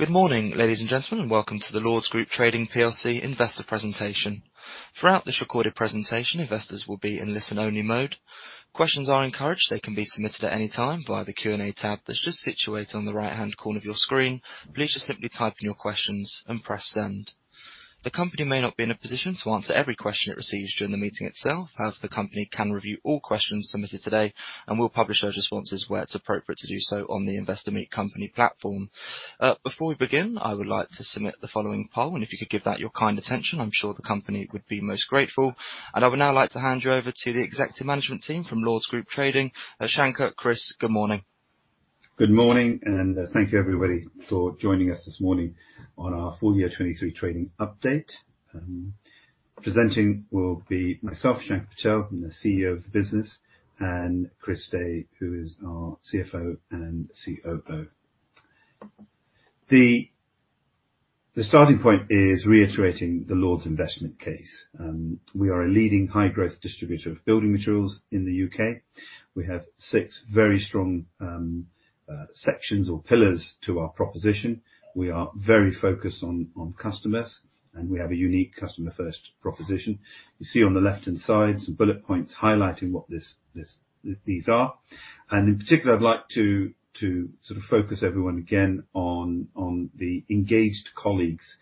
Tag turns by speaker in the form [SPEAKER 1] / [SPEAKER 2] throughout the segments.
[SPEAKER 1] Good morning, ladies and gentlemen, and welcome to the Lords Group Trading PLC Investor Presentation. Throughout this recorded presentation, investors will be in listen-only mode. Questions are encouraged. They can be submitted at any time via the Q&A tab that's just situated on the right-hand corner of your screen. Please just simply type in your questions and press Send. The company may not be in a position to answer every question it receives during the meeting itself, however, the company can review all questions submitted today and will publish those responses where it's appropriate to do so on the Investor Meet Company platform. Before we begin, I would like to submit the following poll, and if you could give that your kind attention, I'm sure the company would be most grateful. I would now like to hand you over to the executive management team from Lords Group Trading. Shanker, Chris, good morning.
[SPEAKER 2] Good morning, and thank you, everybody, for joining us this morning on our full year 2023 trading update. Presenting will be myself, Shanker Patel, I'm the CEO of the business, and Chris Day, who is our CFO and COO. The starting point is reiterating the Lords investment case. We are a leading high growth distributor of building materials in the U.K. We have six very strong sections or pillars to our proposition. We are very focused on customers, and we have a unique customer-first proposition. You see on the left-hand side some bullet points highlighting what these are. And in particular, I'd like to sort of focus everyone again on the engaged colleagues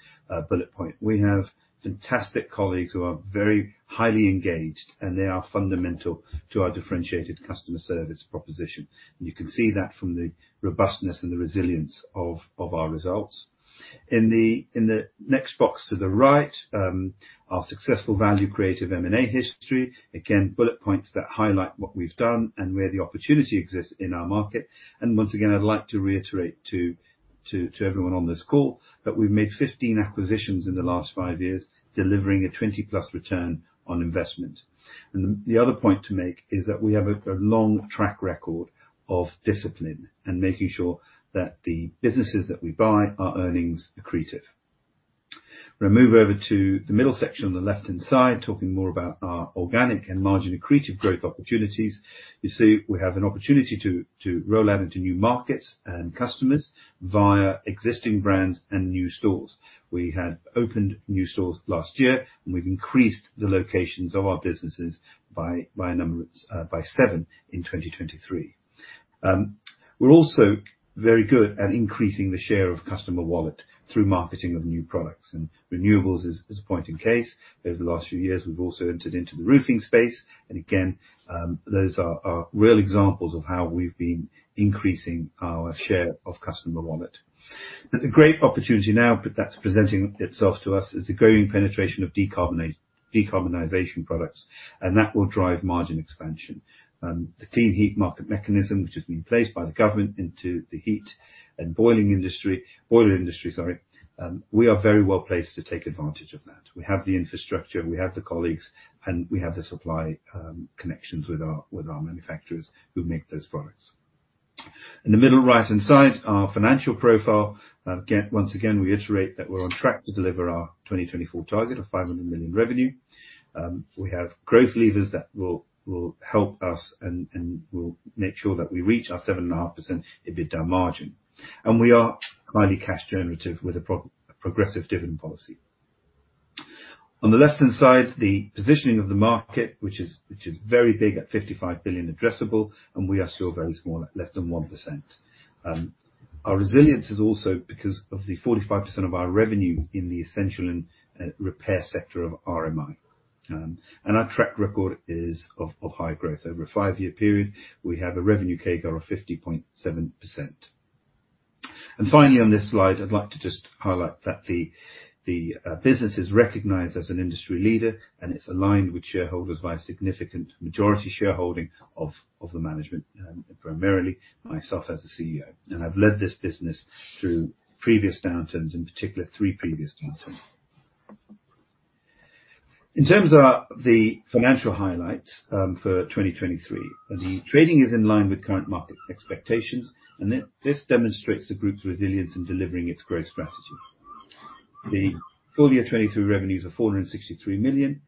[SPEAKER 2] bullet point. We have fantastic colleagues who are very highly engaged, and they are fundamental to our differentiated customer service proposition. You can see that from the robustness and the resilience of our results. In the next box to the right, our successful value creative M&A history. Again, bullet points that highlight what we've done and where the opportunity exists in our market. Once again, I'd like to reiterate to everyone on this call that we've made 15 acquisitions in the last five years, delivering a 20+ return on investment. The other point to make is that we have a long track record of discipline and making sure that the businesses that we buy are earnings accretive. We're going to move over to the middle section on the left-hand side, talking more about our organic and margin accretive growth opportunities. You see, we have an opportunity to roll out into new markets and customers via existing brands and new stores. We had opened new stores last year, and we've increased the locations of our businesses by seven in 2023. We're also very good at increasing the share of customer wallet through marketing of new products, and renewables is a point in case. Over the last few years, we've also entered into the roofing space, and again, those are real examples of how we've been increasing our share of customer wallet. There's a great opportunity now, but that's presenting itself to us as a growing penetration of decarbonization products, and that will drive margin expansion. The Clean Heat Market Mechanism, which has been placed by the government into the heat and boiler industry, boiler industry, sorry, we are very well placed to take advantage of that. We have the infrastructure, we have the colleagues, and we have the supply connections with our manufacturers who make those products. In the middle right-hand side, our financial profile. Once again, we iterate that we're on track to deliver our 2024 target of 500 million in revenue. We have growth levers that will help us and will make sure that we reach our 7.5% EBITDA margin, and we are highly cash generative with a progressive dividend policy. On the left-hand side, the positioning of the market, which is very big at 55 billion addressable, and we are still very small, at less than 1%. Our resilience is also because of the 45% of our revenue in the essential and repair sector of RMI. And our track record is of high growth. Over a five-year period, we have a revenue CAGR of 50.7%. And finally, on this slide, I'd like to just highlight that the business is recognized as an industry leader, and it's aligned with shareholders by a significant majority shareholding of the management, primarily myself as the CEO. And I've led this business through previous downturns, in particular, three previous downturns. In terms of the financial highlights, for 2023, the trading is in line with current market expectations, and this demonstrates the group's resilience in delivering its growth strategy. The full year 2023 revenues are 463 million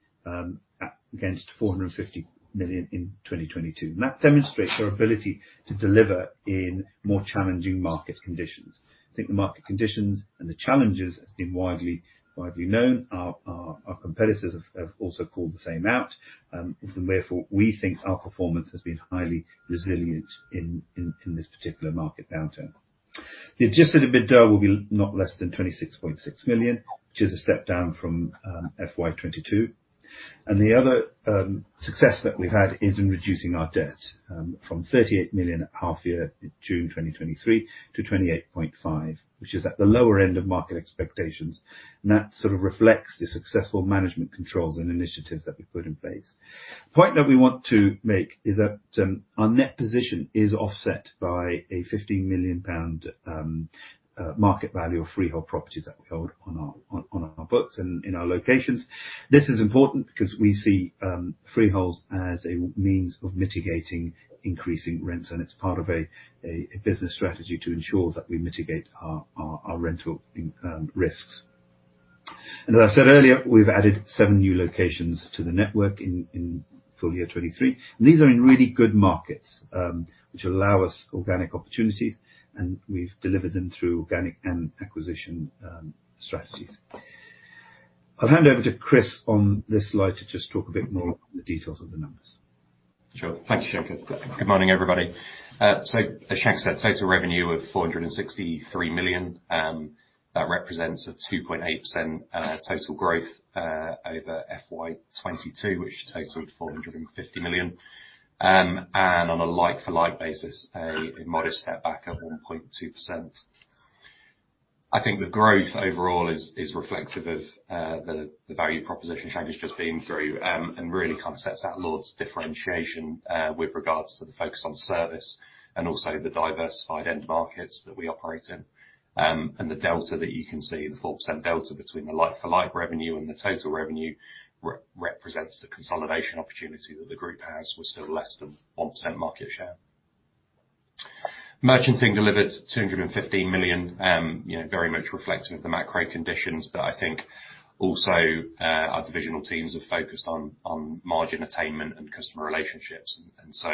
[SPEAKER 2] against 450 million in 2022. And that demonstrates our ability to deliver in more challenging market conditions. I think the market conditions and the challenges have been widely, widely known. Our competitors have also called the same out, and therefore, we think our performance has been highly resilient in this particular market downturn. The adjusted EBITDA will be not less than 26.6 million, which is a step down from FY2022. And the other success that we've had is in reducing our debt from 38 million at half year, June 2023, to 28.5 million, which is at the lower end of market expectations. And that sort of reflects the successful management controls and initiatives that we've put in place. The point that we want to make is that, our net position is offset by a 15 million pound market value of freehold properties that we hold on our books and in our locations. This is important because we see freeholds as a means of mitigating increasing rents, and it's part of a business strategy to ensure that we mitigate our rental risks. And as I said earlier, we've added seven new locations to the network in full year 2023. These are in really good markets, which allow us organic opportunities, and we've delivered them through organic and acquisition strategies. I'll hand over to Chris on this slide to just talk a bit more on the details of the numbers.
[SPEAKER 3] Sure. Thank you, Shanker. Good morning, everybody. So as Shank said, total revenue of 463 million, that represents a 2.8% total growth over FY 2022, which totaled 450 million. And on a like-for-like basis, a modest setback of 1.2%. I think the growth overall is reflective of the value proposition Shank has just been through, and really kind of sets out Lords differentiation with regards to the focus on service and also the diversified end markets that we operate in. And the delta that you can see, the 4% delta between the like-for-like revenue and the total revenue, represents the consolidation opportunity that the group has, with still less than 1% market share. Merchanting delivered 215 million, you know, very much reflective of the macro conditions. But I think also, our divisional teams are focused on, on margin attainment and customer relationships. And so,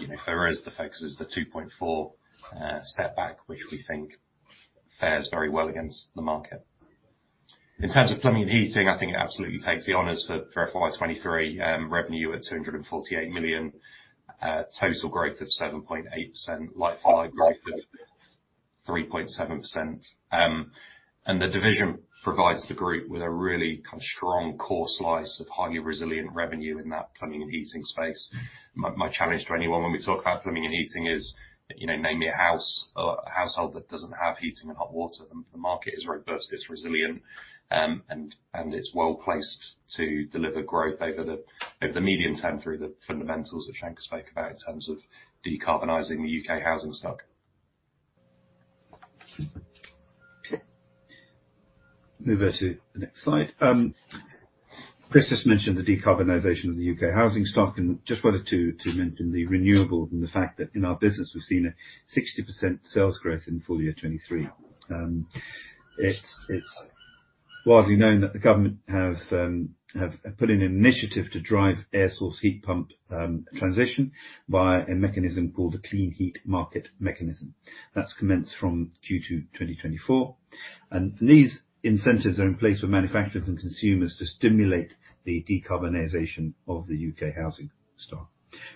[SPEAKER 3] you know, there is the focus is the 2.4% setback, which we think fares very well against the market. In terms of plumbing and heating, I think it absolutely takes the honors for, for FY 2023, revenue at 248 million, total growth of 7.8%, like-for-like growth of 3.7%. And the division provides the group with a really kind of strong core slice of highly resilient revenue in that plumbing and heating space. My challenge to anyone when we talk about plumbing and heating is, you know, name me a house or a household that doesn't have heating and hot water, and the market is robust, it's resilient, and it's well placed to deliver growth over the medium term through the fundamentals that Shanker spoke about in terms of decarbonizing the U.K. housing stock.
[SPEAKER 2] Okay. Move over to the next slide. Chris just mentioned the decarbonization of the U.K. housing stock, and just wanted to mention the renewables and the fact that in our business, we've seen a 60% sales growth in full year 2023. It's widely known that the government have put in an initiative to drive air source heat pump transition by a mechanism called the Clean Heat Market Mechanism. That's commenced from Q2 2024, and these incentives are in place for manufacturers and consumers to stimulate the decarbonization of the U.K. housing stock.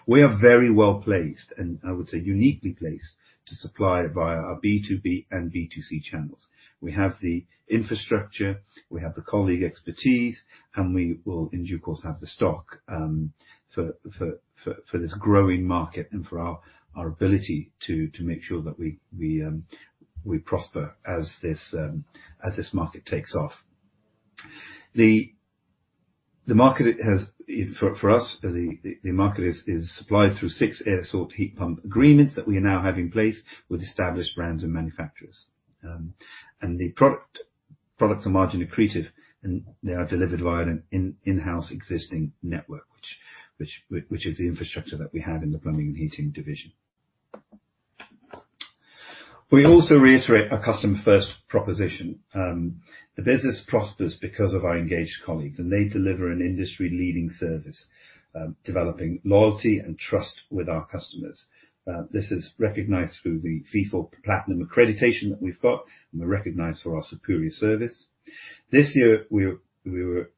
[SPEAKER 2] We are very well placed, and I would say, uniquely placed, to supply via our B2B and B2C channels. We have the infrastructure, we have the colleague expertise, and we will, in due course, have the stock for this growing market and for our ability to make sure that we prosper as this market takes off. The market... For us, the market is supplied through six air source heat pump agreements that we now have in place with established brands and manufacturers. And the products are margin accretive, and they are delivered via an in-house existing network, which is the infrastructure that we have in the plumbing and heating division. We also reiterate our customer first proposition. The business prospers because of our engaged colleagues, and they deliver an industry-leading service, developing loyalty and trust with our customers. This is recognized through the Feefo Platinum accreditation that we've got, and we're recognized for our superior service. This year, we were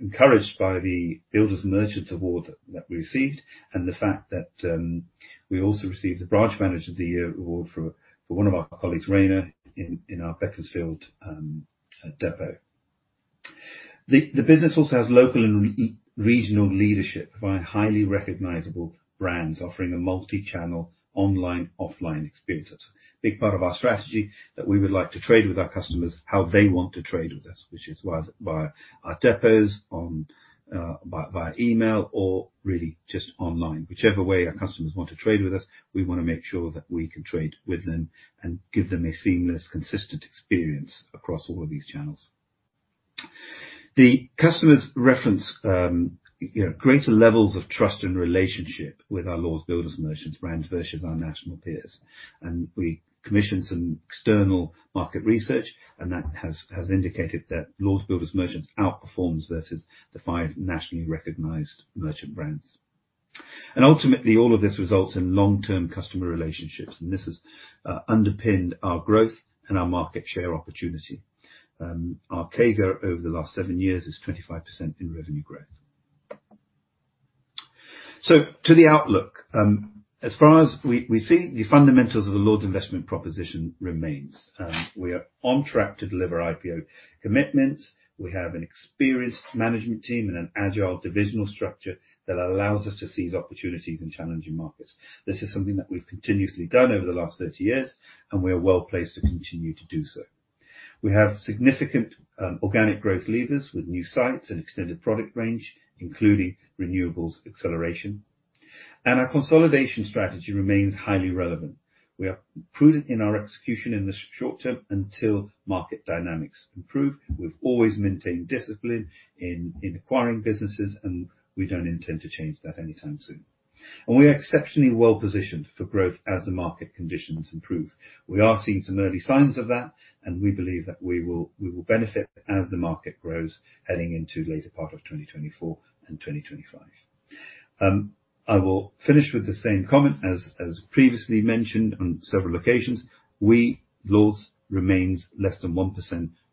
[SPEAKER 2] encouraged by the Builders' Merchant Award that we received, and the fact that we also received the Branch Manager of the Year Award for one of our colleagues, Rayna, in our Beaconsfield depot. The business also has local and regional leadership via highly recognizable brands, offering a multi-channel online, offline experience. That's a big part of our strategy, that we would like to trade with our customers how they want to trade with us, which is via our depots, on by via email, or really just online. Whichever way our customers want to trade with us, we wanna make sure that we can trade with them and give them a seamless, consistent experience across all of these channels. The customers reference, you know, greater levels of trust and relationship with our Lords Builders Merchants brand versus our national peers. We commissioned some external market research, and that has indicated that Lords Builders Merchants outperforms versus the five nationally recognized merchant brands. Ultimately, all of this results in long-term customer relationships, and this has underpinned our growth and our market share opportunity. Our CAGR over the last seven years is 25% in revenue growth. To the outlook, as far as we see, the fundamentals of the Lords Investment Proposition remains. We are on track to deliver IPO commitments. We have an experienced management team and an agile divisional structure that allows us to seize opportunities in challenging markets. This is something that we've continuously done over the last 30 years, and we are well placed to continue to do so. We have significant organic growth levers with new sites and extended product range, including renewables acceleration. Our consolidation strategy remains highly relevant. We are prudent in our execution in the short term until market dynamics improve. We've always maintained discipline in acquiring businesses, and we don't intend to change that anytime soon. We are exceptionally well positioned for growth as the market conditions improve. We are seeing some early signs of that, and we believe that we will benefit as the market grows, heading into later part of 2024 and 2025. I will finish with the same comment as previously mentioned on several occasions, we, Lords remains less than 1%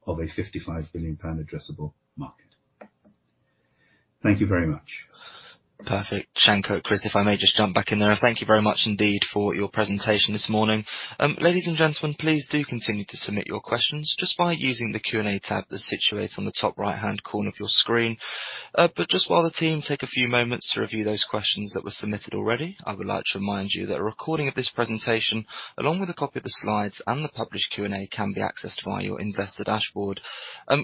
[SPEAKER 2] of a 55 billion pound addressable market. Thank you very much.
[SPEAKER 1] Perfect. Shanker, Chris, if I may just jump back in there. Thank you very much indeed for your presentation this morning. Ladies and gentlemen, please do continue to submit your questions just by using the Q&A tab that's situated on the top right-hand corner of your screen. But just while the team take a few moments to review those questions that were submitted already, I would like to remind you that a recording of this presentation, along with a copy of the slides and the published Q&A, can be accessed via your investor dashboard.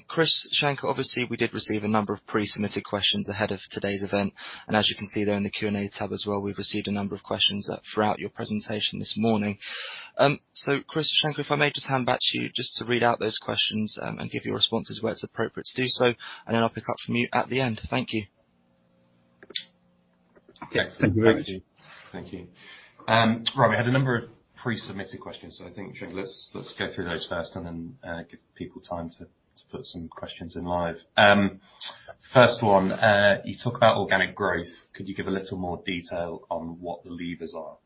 [SPEAKER 1] Chris, Shanker, obviously, we did receive a number of pre-submitted questions ahead of today's event, and as you can see there in the Q&A tab as well, we've received a number of questions throughout your presentation this morning. Chris, Shanker, if I may just hand back to you just to read out those questions, and give your responses where it's appropriate to do so, and then I'll pick up from you at the end. Thank you.
[SPEAKER 2] Yes. Thank you very much.
[SPEAKER 3] Thank you. Thank you. Right, we had a number of pre-submitted questions, so I think, Shanker, let's, let's go through those first and then give people time to put some questions in live. First one, you talk about organic growth. Could you give a little more detail on what the levers are?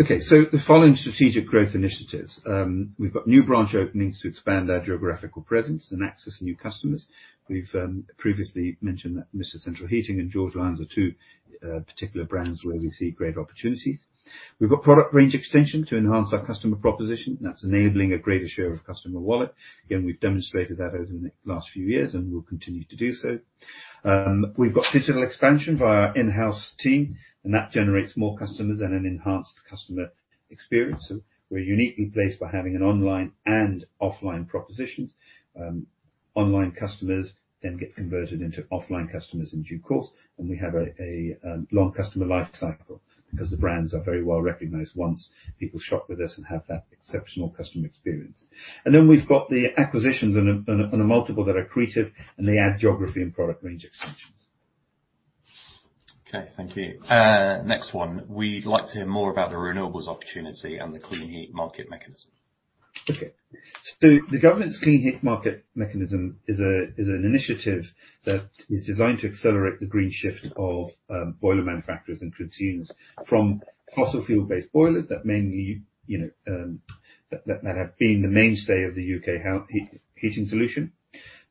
[SPEAKER 2] Okay. So the following strategic growth initiatives: We've got new branch openings to expand our geographical presence and access new customers. We've previously mentioned that Mr Central Heating and George Lines are two particular brands where we see great opportunities. We've got product range extension to enhance our customer proposition. That's enabling a greater share of customer wallet. Again, we've demonstrated that over the last few years, and we'll continue to do so. We've got digital expansion via our in-house team, and that generates more customers and an enhanced customer experience, so we're uniquely placed by having an online and offline propositions. Online customers then get converted into offline customers in due course, and we have a long customer life cycle because the brands are very well-recognized once people shop with us and have that exceptional customer experience. And then we've got the acquisitions and the multiples that are accretive, and they add geography and product range extensions.
[SPEAKER 3] Okay, thank you. Next one: We'd like to hear more about the renewables opportunity and the Clean Heat Market Mechanism.
[SPEAKER 2] Okay. So the government's Clean Heat Market Mechanism is a, is an initiative that is designed to accelerate the green shift of, boiler manufacturers and consumers from fossil fuel-based boilers that mainly, you know, that, that have been the mainstay of the U.K. heating solution,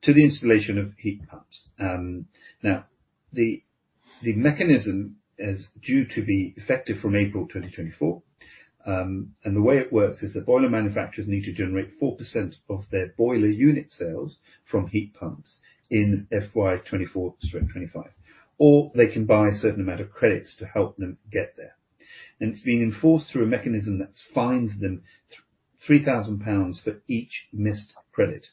[SPEAKER 2] to the installation of heat pumps. Now, the, the mechanism is due to be effective from April 2024, and the way it works is that boiler manufacturers need to generate 4% of their boiler unit sales from heat pumps in FY 2024 through 2025, or they can buy a certain amount of credits to help them get there. And it's being enforced through a mechanism that fines them three thousand pounds for each missed credit.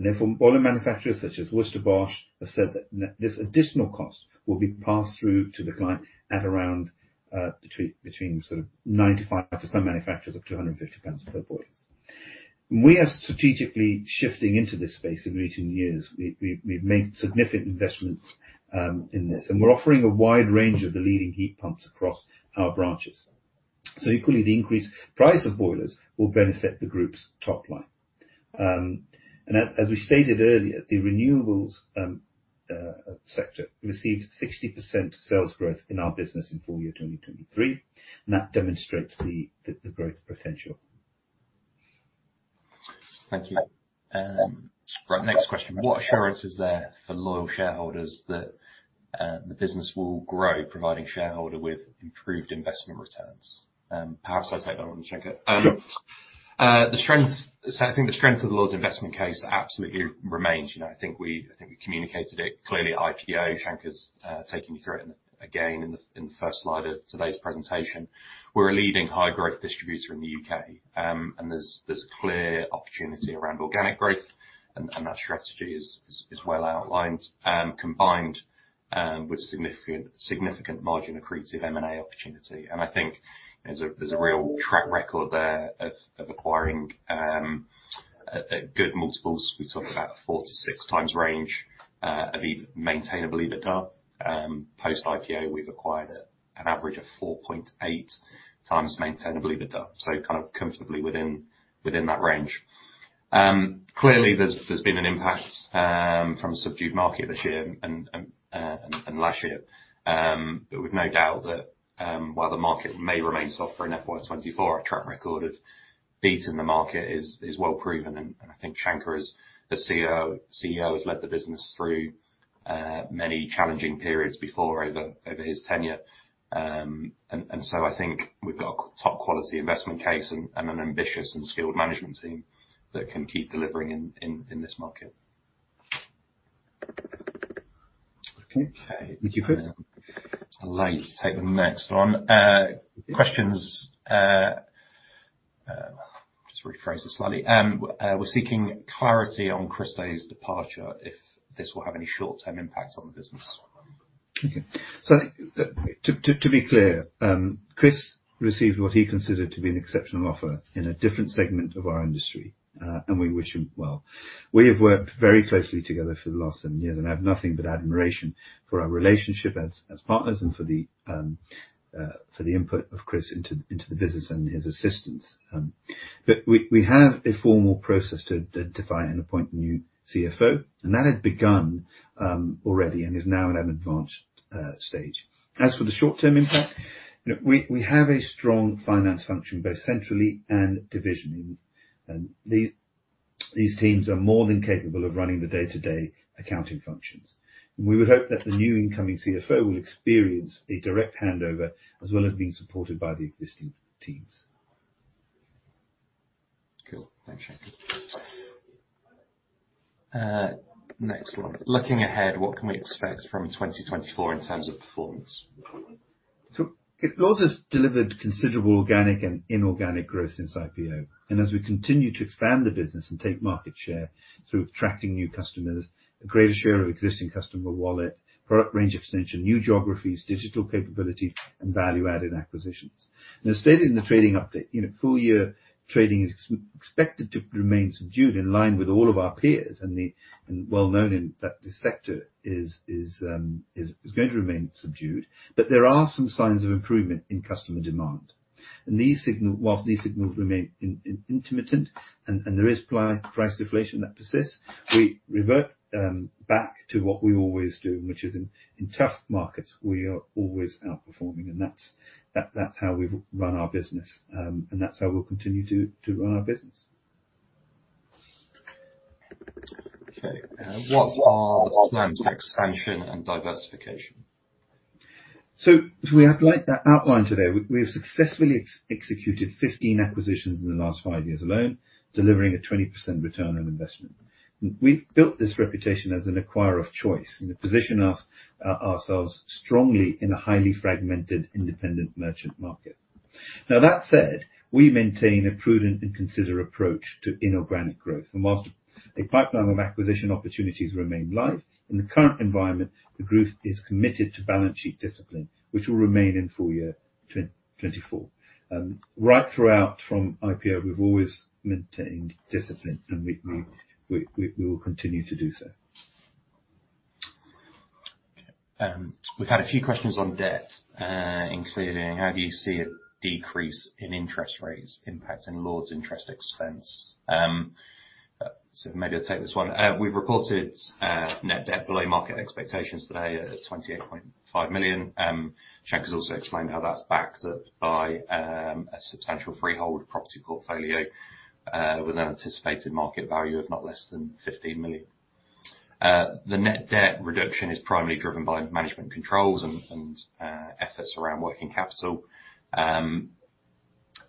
[SPEAKER 2] Therefore, boiler manufacturers such as Worcester Bosch have said that this additional cost will be passed through to the client at around, between sort of 95, for some manufacturers, up to 150 GBP per boilers. We are strategically shifting into this space in recent years. We've made significant investments in this, and we're offering a wide range of the leading heat pumps across our branches. So equally, the increased price of boilers will benefit the group's top line. And as we stated earlier, the renewables sector received 60% sales growth in our business in full year 2023, and that demonstrates the growth potential.
[SPEAKER 3] Thank you. Right, next question: What assurance is there for loyal shareholders that the business will grow, providing shareholders with improved investment returns? Perhaps I take that one, Shanker.
[SPEAKER 2] Sure.
[SPEAKER 3] The strength... So I think the strength of the Lords investment case absolutely remains. You know, I think we, I think we communicated it clearly at IPO. Shanker's taking you through it, and again, in the first slide of today's presentation. We're a leading high growth distributor in the U.K., and there's clear opportunity around organic growth, and that strategy is well outlined, combined with significant margin accretive M&A opportunity. And I think there's a real track record there of acquiring good multiples. We talk about 4-6 times range, at least maintainable EBITDA. Post-IPO, we've acquired an average of 4.8 times maintainable EBITDA, so kind of comfortably within that range. Clearly, there's been an impact from subdued market this year and last year. But we've no doubt that while the market may remain soft for in FY2024, our track record of beating the market is well proven, and I think Shanker, as the CEO, has led the business through many challenging periods before over his tenure. So I think we've got a top quality investment case and an ambitious and skilled management team that can keep delivering in this market.
[SPEAKER 2] Okay.
[SPEAKER 3] Okay.
[SPEAKER 2] Thank you, Chris.
[SPEAKER 3] I'd like to take the next one. Questions, rephrase this slightly. We're seeking clarity on Chris Day's departure, if this will have any short-term impact on the business?
[SPEAKER 2] Okay. So to be clear, Chris received what he considered to be an exceptional offer in a different segment of our industry, and we wish him well. We have worked very closely together for the last seven years, and I have nothing but admiration for our relationship as partners and for the input of Chris into the business and his assistance. But we have a formal process to define and appoint a new CFO, and that had begun already and is now at an advanced stage. As for the short-term impact, you know, we have a strong finance function, both centrally and divisionally, and these teams are more than capable of running the day-to-day accounting functions. We would hope that the new incoming CFO will experience a direct handover, as well as being supported by the existing teams.
[SPEAKER 3] Cool. Thanks, Shanker. Next one: Looking ahead, what can we expect from 2024 in terms of performance?
[SPEAKER 2] So Lords has delivered considerable organic and inorganic growth since IPO, and as we continue to expand the business and take market share through attracting new customers, a greater share of existing customer wallet, product range extension, new geographies, digital capabilities, and value-added acquisitions. Now, as stated in the trading update, you know, full year trading is expected to remain subdued, in line with all of our peers, and it's well-known that this sector is going to remain subdued. But there are some signs of improvement in customer demand. And these signals, while these signals remain intermittent, and there is price deflation that persists, we revert back to what we always do, which is, in tough markets, we are always outperforming, and that's how we've run our business, and that's how we'll continue to run our business.
[SPEAKER 3] Okay. What are the plans for expansion and diversification?
[SPEAKER 2] So as we outlined today, we have successfully executed 15 acquisitions in the last five years alone, delivering a 20% return on investment. We've built this reputation as an acquirer of choice, and to position us ourselves strongly in a highly fragmented independent merchant market. Now, that said, we maintain a prudent and considered approach to inorganic growth, and whilst the pipeline of acquisition opportunities remain live, in the current environment, the group is committed to balance sheet discipline, which will remain in full year 2024. Right throughout from IPO, we've always maintained discipline, and we will continue to do so.
[SPEAKER 3] Okay, we've had a few questions on debt, including: How do you see a decrease in interest rates impacting Lords interest expense? So maybe I'll take this one. We've reported net debt below market expectations today at 28.5 million. Shanker has also explained how that's backed up by a substantial freehold property portfolio with an anticipated market value of not less than 15 million. The net debt reduction is primarily driven by management controls and efforts around working capital,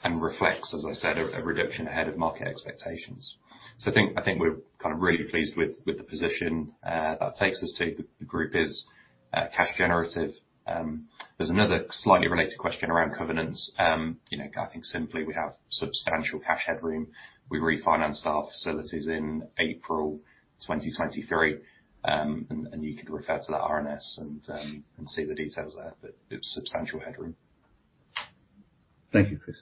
[SPEAKER 3] and reflects, as I said, a reduction ahead of market expectations. So I think we're kind of really pleased with the position that takes us to. The group is cash generative. There's another slightly related question around covenants. You know, I think simply we have substantial cash headroom. We refinanced our facilities in April 2023, and you can refer to that RNS and see the details there, but it's substantial headroom.
[SPEAKER 2] Thank you, Chris.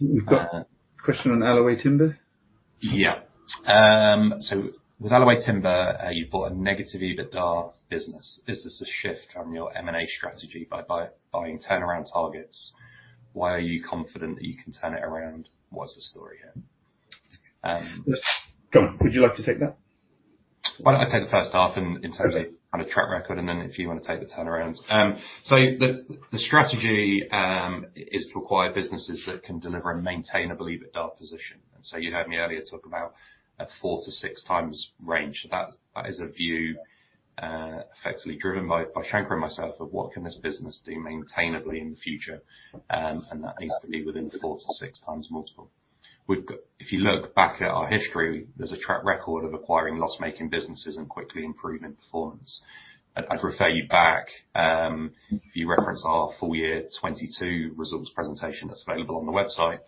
[SPEAKER 2] We've got a question on Alloway Timber?
[SPEAKER 3] Yeah. So with Alloway Timber, you bought a negative EBITDA business. Is this a shift from your M&A strategy by, by buying turnaround targets? Why are you confident that you can turn it around? What's the story here?
[SPEAKER 2] Go on. Would you like to take that?
[SPEAKER 3] Why don't I take the first half in terms of-
[SPEAKER 2] Okay...
[SPEAKER 3] kind of track record, and then if you want to take the turnaround. So the strategy is to acquire businesses that can deliver and maintain a believable EBITDA position. And so you heard me earlier talk about a 4–6x range. So that is a view effectively driven by Shanker and myself of what can this business do maintainably in the future, and that needs to be within 4–6x multiple. We've got. If you look back at our history, there's a track record of acquiring loss-making businesses and quickly improving performance. I'd refer you back, if you reference our full year 2022 results presentation that's available on the website.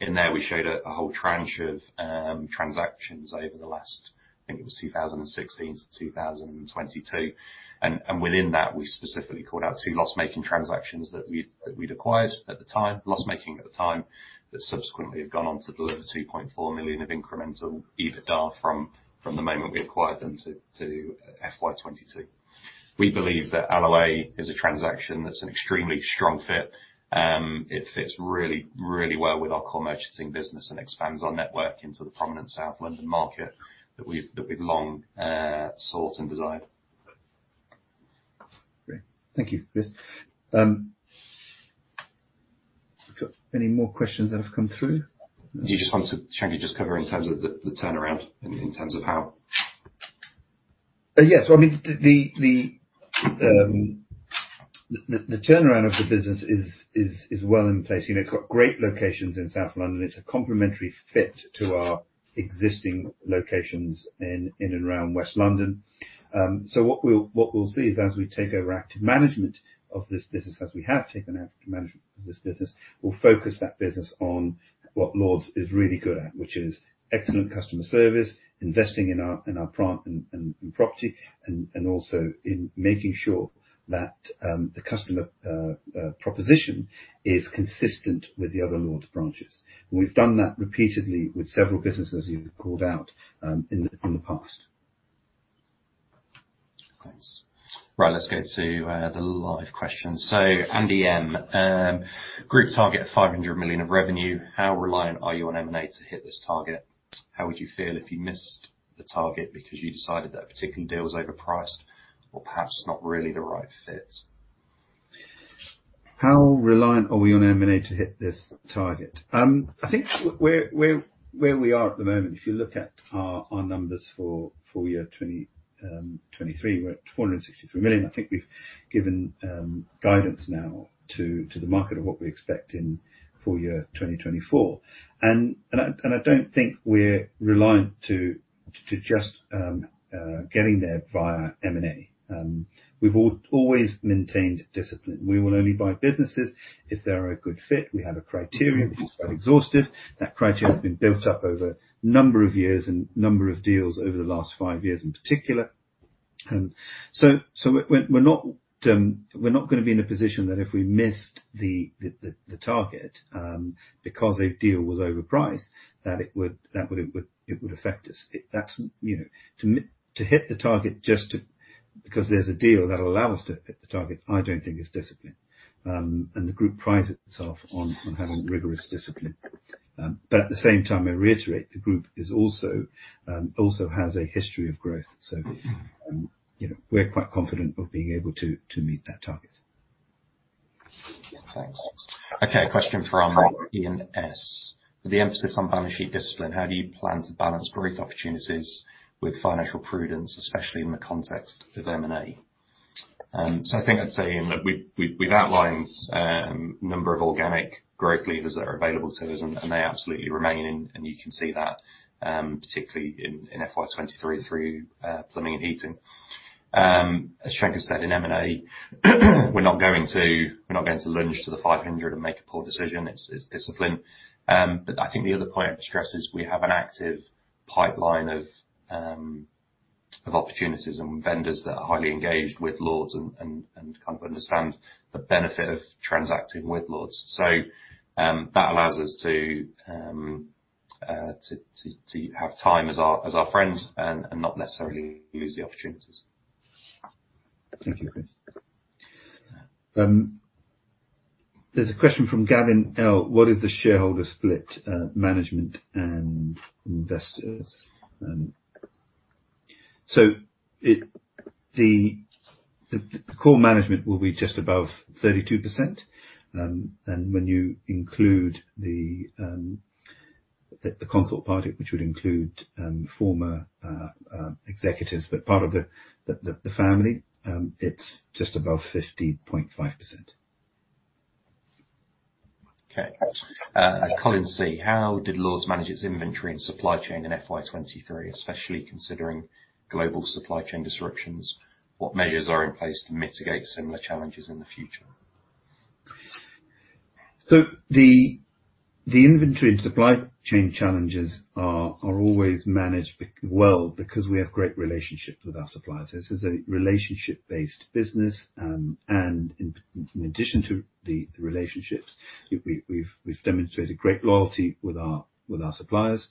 [SPEAKER 3] In there, we showed a whole tranche of transactions over the last, I think it was 2016 to 2022, and within that, we specifically called out 2 loss-making transactions that we'd acquired at the time, loss making at the time, that subsequently have gone on to deliver 2.4 million of incremental EBITDA from the moment we acquired them to FY 2022. We believe that Alloway is a transaction that's an extremely strong fit. It fits really, really well with our core merchanting business and expands our network into the prominent South London market that we've long sought and desired.
[SPEAKER 2] Great. Thank you, Chris. We've got any more questions that have come through?
[SPEAKER 3] Do you just want to, Shanker, just cover in terms of the, the turnaround and in terms of how?...
[SPEAKER 2] Yes. Well, I mean, the turnaround of the business is well in place. You know, it's got great locations in South London. It's a complementary fit to our existing locations in and around West London. So what we'll see is as we take over active management of this business, as we have taken active management of this business, we'll focus that business on what Lords is really good at, which is excellent customer service, investing in our property, and also in making sure that the customer proposition is consistent with the other Lords branches. We've done that repeatedly with several businesses you've called out, in the past.
[SPEAKER 3] Thanks. Right. Let's go to the live questions. So Andy M: group target 500 million of revenue, how reliant are you on M&A to hit this target? How would you feel if you missed the target because you decided that a particular deal was overpriced, or perhaps not really the right fit?
[SPEAKER 2] How reliant are we on M&A to hit this target? I think where we are at the moment, if you look at our numbers for full year 2023, we're at 463 million. I think we've given guidance now to the market of what we expect in full year 2024. And I don't think we're reliant to just getting there via M&A. We've always maintained discipline. We will only buy businesses if they are a good fit. We have a criteria which is quite exhaustive. That criteria has been built up over a number of years and number of deals over the last five years in particular. So, we're not gonna be in a position that if we missed the target because a deal was overpriced, that it would affect us. That's, you know, to hit the target just because there's a deal that will allow us to hit the target, I don't think is discipline. And the Group prides itself on having rigorous discipline. But at the same time, I reiterate, the Group also has a history of growth. So, you know, we're quite confident of being able to meet that target.
[SPEAKER 3] Thanks. Okay, a question from Ian S: With the emphasis on balance sheet discipline, how do you plan to balance growth opportunities with financial prudence, especially in the context of M&A? So I think I'd say, Ian, that we've outlined a number of organic growth levers that are available to us, and they absolutely remain, and you can see that, particularly in FY 2023 through plumbing and heating. As Shanker said, in M&A, we're not going to lunge to the 500 and make a poor decision. It's discipline. But I think the other point of stress is we have an active pipeline of opportunities and vendors that are highly engaged with Lords and kind of understand the benefit of transacting with Lords. That allows us to have time as our friend and not necessarily lose the opportunities.
[SPEAKER 2] Thank you, Chris. There's a question from Gavin L: What is the shareholder split, management and investors? So the core management will be just above 32%. And when you include the concert party, which would include former executives, but part of the family, it's just above 50.5%.
[SPEAKER 3] Okay. How did Lords manage its inventory and supply chain in FY 2023, especially considering global supply chain disruptions? What measures are in place to mitigate similar challenges in the future?
[SPEAKER 2] So the inventory and supply chain challenges are always managed well because we have great relationships with our suppliers. This is a relationship-based business, and in addition to the relationships, we've demonstrated great loyalty with our suppliers.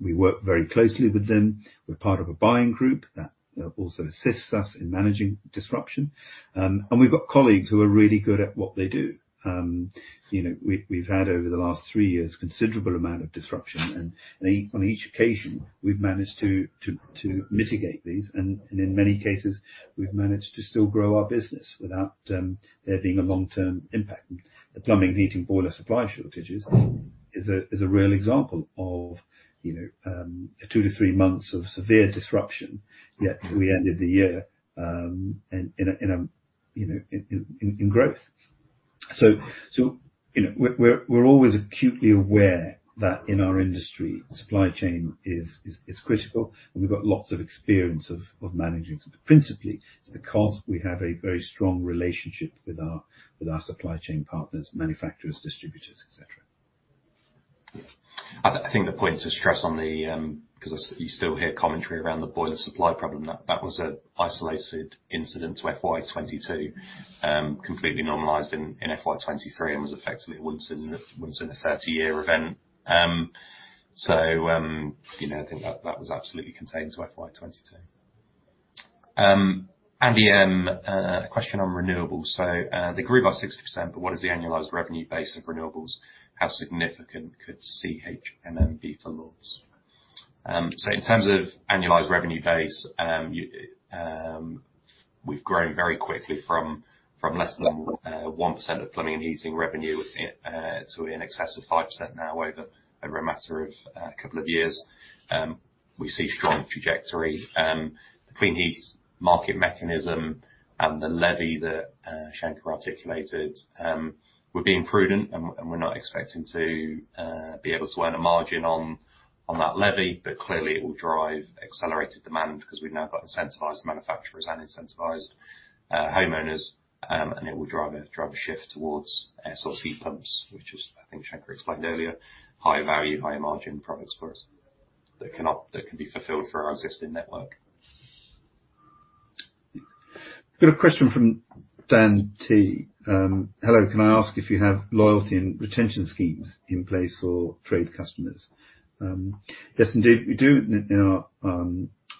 [SPEAKER 2] We work very closely with them. We're part of a buying group that also assists us in managing disruption. And we've got colleagues who are really good at what they do. You know, we've had over the last three years a considerable amount of disruption, and on each occasion, we've managed to mitigate these, and in many cases, we've managed to still grow our business without there being a long-term impact. The plumbing and heating boiler supply shortages is a real example of, you know, 2-3 months of severe disruption, yet we ended the year in growth. So, you know, we're always acutely aware that in our industry, supply chain is critical, and we've got lots of experience of managing principally, because we have a very strong relationship with our supply chain partners, manufacturers, distributors, et cetera.
[SPEAKER 3] Yeah. I think the point to stress on the... Because you still hear commentary around the boiler supply problem, that was an isolated incident to FY 2022. Completely normalized in FY 2023 and was effectively a once in a 30-year event. So, you know, I think that was absolutely contained to FY 2022. Andy M, a question on renewables. So, the group by 60%, but what is the annualized revenue base of renewables? How significant could CHMM be for Lords? So in terms of annualized revenue base, you... We've grown very quickly from less than 1% of plumbing and heating revenue to in excess of 5% now over a matter of a couple of years. We see strong trajectory. The Clean Heat Market Mechanism and the levy that Shanker articulated, we're being prudent, and we're not expecting to be able to earn a margin on that levy, but clearly it will drive accelerated demand because we've now got incentivized manufacturers and incentivized homeowners, and it will drive a shift towards air source heat pumps, which I think Shanker explained earlier, higher value, higher margin products for us that cannot-- that can be fulfilled through our existing network.
[SPEAKER 2] Got a question from Dan T. Hello, can I ask if you have loyalty and retention schemes in place for trade customers? Yes, indeed, we do. In our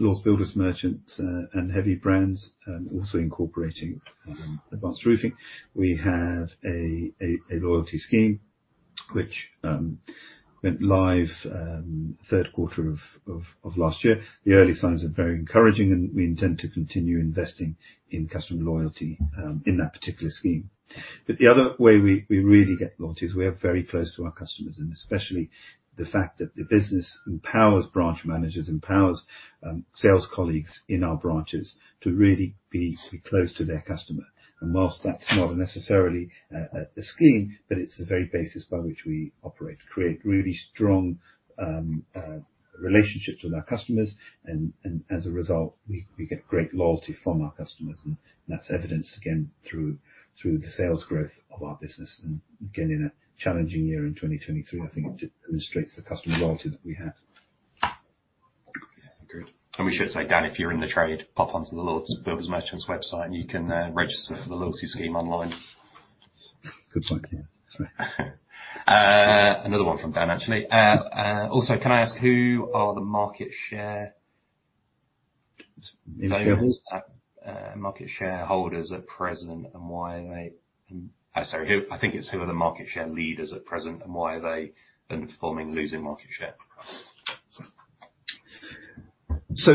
[SPEAKER 2] Lords Builders Merchants and Heavy Brands, also incorporating Advance Roofing. We have a loyalty scheme which went live third quarter of last year. The early signs are very encouraging, and we intend to continue investing in customer loyalty in that particular scheme. But the other way we really get loyalty is we are very close to our customers, and especially the fact that the business empowers branch managers, empowers sales colleagues in our branches to really be close to their customer. And whilst that's not necessarily a scheme, but it's the very basis by which we operate, to create really strong relationships with our customers, and as a result, we get great loyalty from our customers, and that's evidenced again through the sales growth of our business. And again, in a challenging year in 2023, I think it just illustrates the customer loyalty that we have.
[SPEAKER 3] Yeah, agreed. And we should say, Dan, if you're in the trade, pop onto the Lords Builders Merchants website, and you can, register for the loyalty scheme online.
[SPEAKER 2] Good point, yeah. Sorry.
[SPEAKER 3] Another one from Dan, actually. Also, can I ask, who are the market share-
[SPEAKER 2] Shareholders?
[SPEAKER 3] Market shareholders at present, and why are they... I'm sorry, who are the market share leaders at present, and why are they underperforming, losing market share?
[SPEAKER 2] So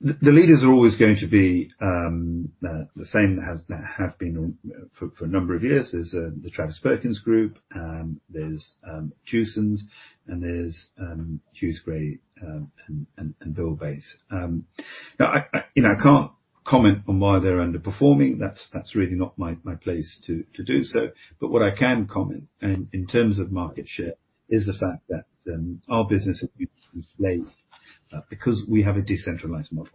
[SPEAKER 2] the leaders are always going to be the same as they have been for a number of years: the Travis Perkins Group, there's Jewson, and there's Huws Gray, and Buildbase. Now, you know, I can't comment on why they're underperforming. That's really not my place to do so. But what I can comment, and in terms of market share, is the fact that our business has been delayed because we have a decentralized model.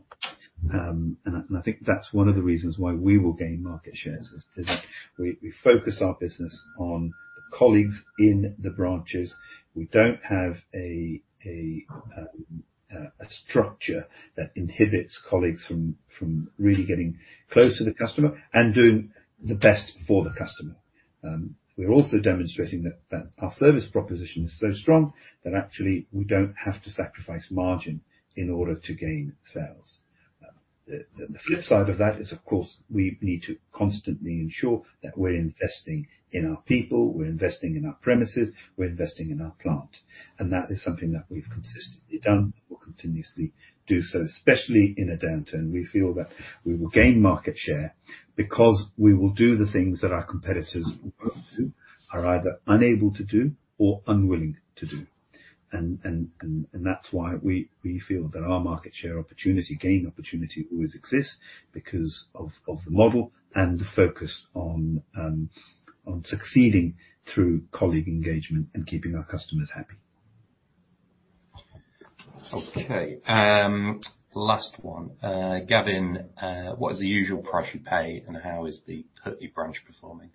[SPEAKER 2] And I think that's one of the reasons why we will gain market share is because we focus our business on colleagues in the branches. We don't have a structure that inhibits colleagues from really getting close to the customer and doing the best for the customer. We're also demonstrating that our service proposition is so strong that actually we don't have to sacrifice margin in order to gain sales. The flip side of that is, of course, we need to constantly ensure that we're investing in our people, we're investing in our premises, we're investing in our plant, and that is something that we've consistently done and will continuously do so, especially in a downturn. We feel that we will gain market share because we will do the things that our competitors will pursue, are either unable to do or unwilling to do. That's why we feel that our market share opportunity, gain opportunity, always exists because of the model and the focus on succeeding through colleague engagement and keeping our customers happy.
[SPEAKER 3] Okay, last one. Gavin, what is the usual price you pay, and how is the Putney branch performing?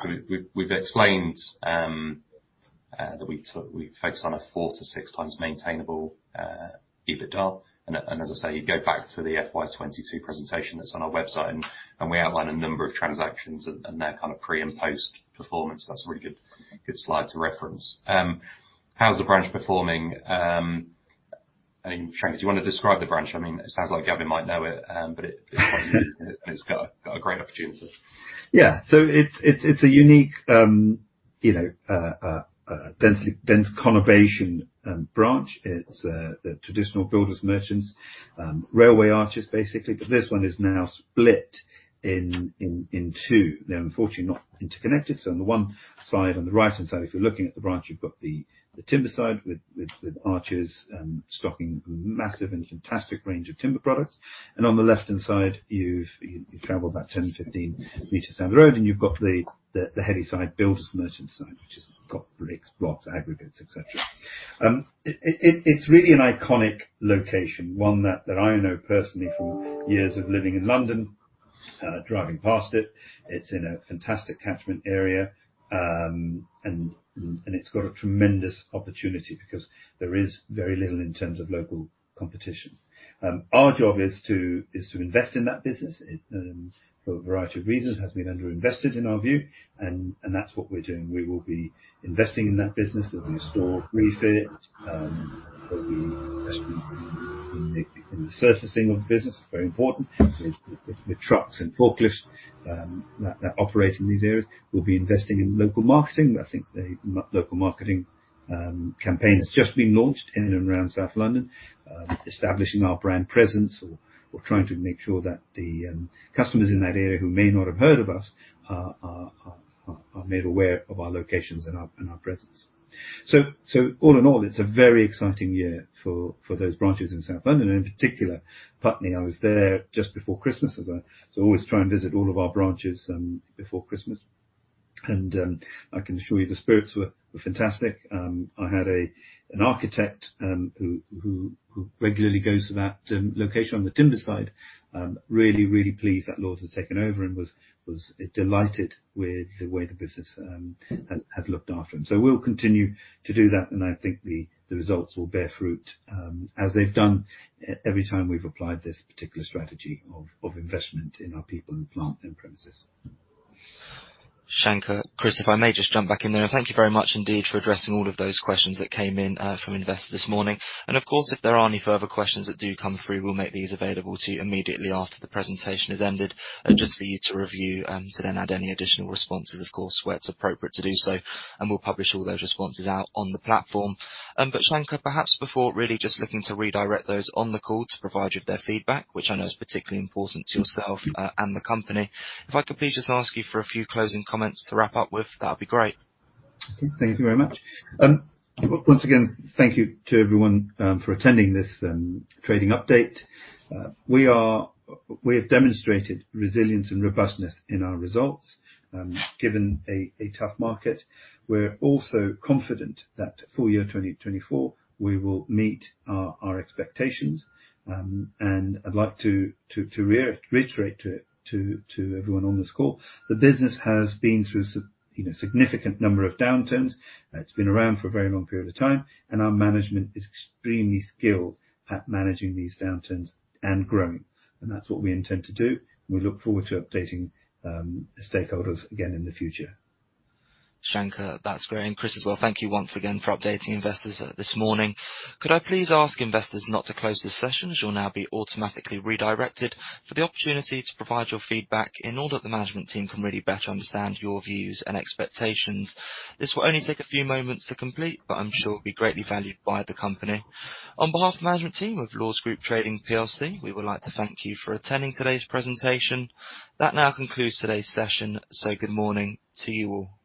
[SPEAKER 3] So we've explained that we focus on a 4-6 times maintainable EBITDA, and as I say, you go back to the FY 2022 presentation that's on our website, and we outline a number of transactions and their kind of pre- and post-performance. That's a really good slide to reference. How's the branch performing? I mean, Shanker, do you want to describe the branch? I mean, it sounds like Gavin might know it, but it's got a great opportunity.
[SPEAKER 2] Yeah. So it's a unique, you know, a dense conurbation branch. It's the traditional builders' merchants railway arches, basically, but this one is now split in two. They're unfortunately not interconnected, so on the one side, on the right-hand side, if you're looking at the branch, you've got the timber side with arches stocking massive and fantastic range of timber products. And on the left-hand side, you've. You travel about 10-15 meters down the road, and you've got the heavy side, builders merchant side, which has got bricks, blocks, aggregates, et cetera. It's really an iconic location, one that I know personally from years of living in London, driving past it. It's in a fantastic catchment area, and it's got a tremendous opportunity because there is very little in terms of local competition. Our job is to invest in that business. It, for a variety of reasons, has been underinvested in our view, and that's what we're doing. We will be investing in that business. There'll be a store refit, there'll be investment in the surfacing of the business, very important, with trucks and forklifts that operate in these areas. We'll be investing in local marketing. I think the local marketing campaign has just been launched in and around South London. Establishing our brand presence or trying to make sure that the customers in that area who may not have heard of us are made aware of our locations and our presence. So all in all, it's a very exciting year for those branches in South London, and in particular, Putney. I was there just before Christmas, as I always try and visit all of our branches before Christmas. And I can assure you the spirits were fantastic. I had an architect who regularly goes to that location on the timber side. Really, really pleased that Lords has taken over and was delighted with the way the business has looked after him. So we'll continue to do that, and I think the results will bear fruit, as they've done every time we've applied this particular strategy of investment in our people and plant and premises.
[SPEAKER 1] Shanker. Chris, if I may just jump back in there. Thank you very much indeed for addressing all of those questions that came in from investors this morning. And of course, if there are any further questions that do come through, we'll make these available to you immediately after the presentation has ended just for you to review to then add any additional responses, of course, where it's appropriate to do so, and we'll publish all those responses out on the platform. But Shanker, perhaps before really just looking to redirect those on the call to provide you with their feedback, which I know is particularly important to yourself and the company. If I could please just ask you for a few closing comments to wrap up with, that'd be great.
[SPEAKER 2] Thank you very much. Once again, thank you to everyone for attending this trading update. We are... We have demonstrated resilience and robustness in our results, given a tough market. We're also confident that full year 2024, we will meet our expectations. And I'd like to reiterate to everyone on this call, the business has been through a you know, significant number of downturns. It's been around for a very long period of time, and our management is extremely skilled at managing these downturns and growing, and that's what we intend to do. We look forward to updating the stakeholders again in the future.
[SPEAKER 1] Shanker, that's great. And Chris as well, thank you once again for updating investors, this morning. Could I please ask investors not to close this session, as you'll now be automatically redirected for the opportunity to provide your feedback in order that the management team can really better understand your views and expectations. This will only take a few moments to complete, but I'm sure it'll be greatly valued by the company. On behalf of the management team of Lords Group Trading PLC, we would like to thank you for attending today's presentation. That now concludes today's session, so good morning to you all.